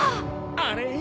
あれ？